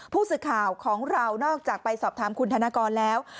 ผู้สื่อข่าวของเรานอกจากไปสอบถามคุณธนกรแล้ว